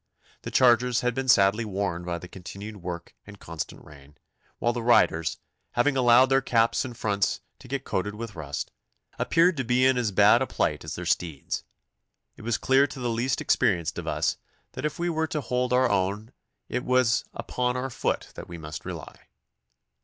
The chargers had been sadly worn by the continued work and constant rain, while the riders, having allowed their caps and fronts to get coated with rust, appeared to be in as bad a plight as their steeds. It was clear to the least experienced of us that if we were to hold our own it was upon our foot that we must rely.